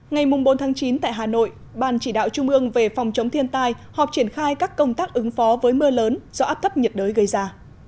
ngày bốn chín tại hà nội ban chỉ đạo trung ương về phòng chống thiên tai họp triển khai các công tác ứng phó với mưa lớn do áp thấp nhiệt đới gây ra